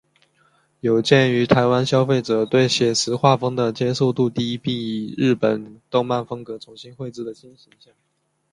有鉴于台湾消费者对写实画风的接受度低并以日本动漫风格重新绘制新形象。